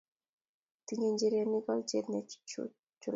Tinyei njirenik olyet nechulat